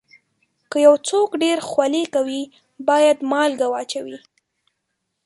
که یو څوک ډېر خولې کوي، باید مالګه واچوي.